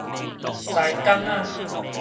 西港仔